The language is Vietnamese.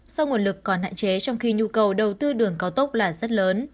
do nguồn lực còn hạn chế trong khi nhu cầu đầu tư đường cao tốc là rất lớn